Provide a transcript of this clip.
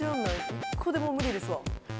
１個でも無理ですわ。